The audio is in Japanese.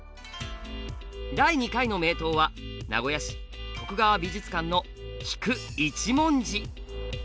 第２回の名刀は名古屋市徳川美術館の「菊一文字」。